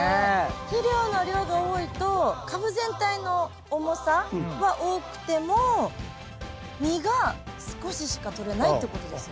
肥料の量が多いと株全体の重さは多くても実が少ししかとれないってことですよね。